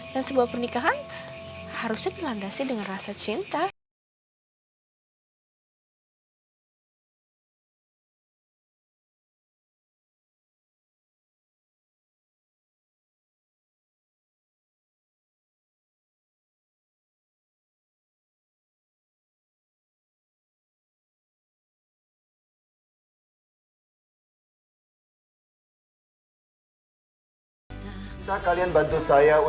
dan sebuah pernikahan harusnya dilandasi dengan rasa cinta